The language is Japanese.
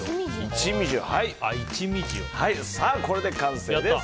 これで完成です。